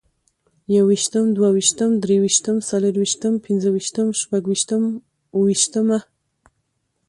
يوویشتم، دوويشتم، دريوشتم، څلورويشتم، پنځوويشتم، شپږويشتم، اوويشتمه